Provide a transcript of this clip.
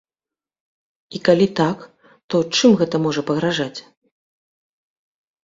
І калі так, то чым гэта можа пагражаць?